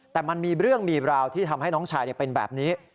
แต่มันมีเรื่องมีราวที่ทำให้น้องชายเป็นแบบนี้